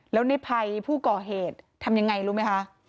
แล้วในภัยผู้ก่อเหตุทำยังไงรู้ไหมคะ